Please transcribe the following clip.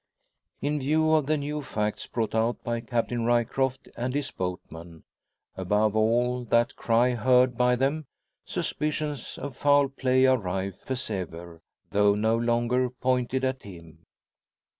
In view of the new facts brought out by Captain Ryecroft and his boatman above all that cry heard by them suspicions of foul play are rife as ever, though no longer pointed at him.